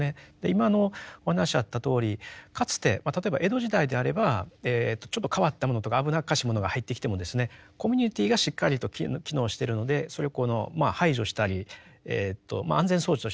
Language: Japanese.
今のお話あったとおりかつて例えば江戸時代であればちょっと変わったものとか危なっかしいものが入ってきてもコミュニティーがしっかりと機能してるのでそれを排除したり安全装置として働いていたと。